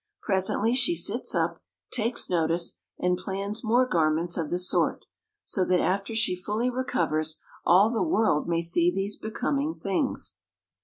Presently she sits up, takes notice, and plans more garments of the sort, so that after she fully recovers all the world may see these becoming things!